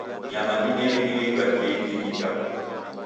Nyama ndineri nio ibakie indinyi japo.